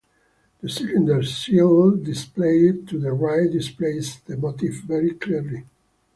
The cylinder seal displayed to the right displays the motif very clearly.